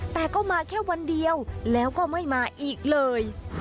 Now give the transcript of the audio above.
แต่ก็มาแค่วันเดียวแล้วก็ไม่มาอีกเลย